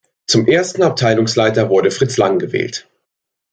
Zum ersten Abteilungsleiter wurde Fritz Lang gewählt.